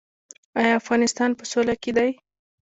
آیا افغانستان په سوله کې دی؟